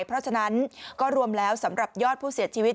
เพราะฉะนั้นก็รวมแล้วสำหรับยอดผู้เสียชีวิต